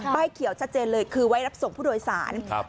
เขียวชัดเจนเลยคือไว้รับส่งผู้โดยสาร